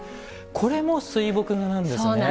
これも水墨画なんですね。